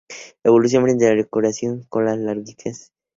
Evolución frecuentemente a la curación, pero con una larguísima convalecencia.